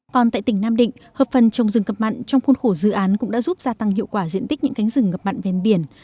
còn tại tỉnh nam định hợp phần trồng rừng cặp mặt trong khuôn khổ dự án cũng đã giúp gia tăng hiệu quả diện tích những cánh rừng cặp mặt bên biển